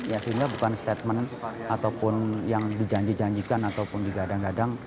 ya sehingga bukan statement ataupun yang dijanji janjikan ataupun digadang gadang